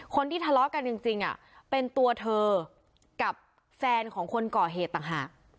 คนที่ทะเลาะกันจริงเป็นตัวเธอกับแฟนของคนก่อเหตุต่างหาก